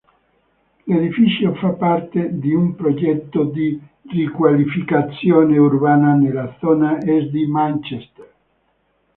L'edificio fa parte di un progetto di riqualificazione urbana nella zona est di Manchester.